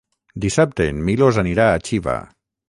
Dissabte en Milos anirà a Xiva.